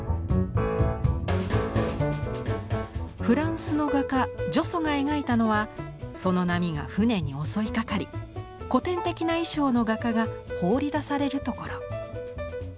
フランスの画家ジョソが描いたのはその波が舟に襲いかかり古典的な衣装の画家が放り出されるところ。